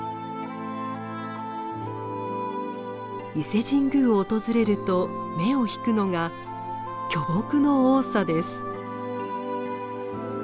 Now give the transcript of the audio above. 伊勢神宮を訪れると目を引くのが巨木の多さです。